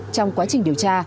trong quá trình điều tra